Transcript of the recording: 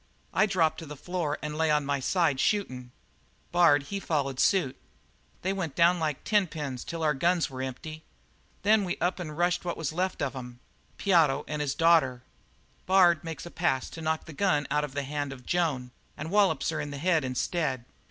I dropped to the floor and lay on my side, shootin'; Bard, he followered suit. They went down like tenpins till our guns were empty. Then we up and rushed what was left of 'em Piotto and his daughter. Bard makes a pass to knock the gun out of the hand of Joan and wallops her on the head instead.